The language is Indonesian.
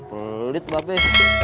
pelit mbak be